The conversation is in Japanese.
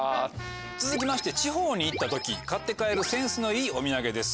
続きまして地方に行った時買って帰るセンスのいいお土産です。